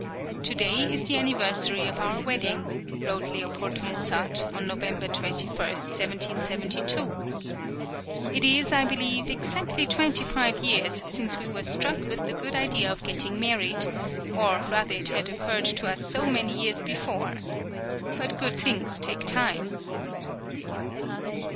"To day is the anniversary of our wedding," wrote L. Mozart (November 21, 1772); "it is, I believe, exactly twenty five years since we were struck with the good idea of getting married, or rather it had occurred to us many years before. But good things take time."